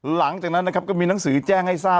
หลังจากนั้นนะครับก็มีหนังสือแจ้งให้ทราบ